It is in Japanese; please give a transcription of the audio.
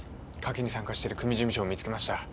賭けに参加してる組事務所を見つけました。